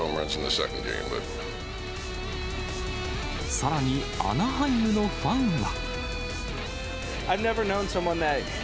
さらに、アナハイムのファンは。